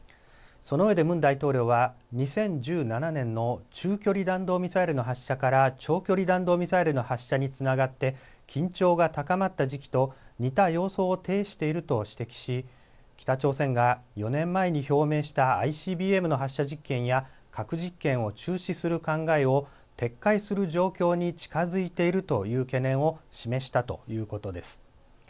そのうえでムン大統領は２０１７年の中距離弾道ミサイルの発射から長距離弾道ミサイルの発射につながって緊張が高まった時期と似た様相を呈していると指摘し北朝鮮が４年前に表明したＩＣＢＭの発射実験や核実験を中止する考えを撤回する状況に近づいているという懸念を示したということです。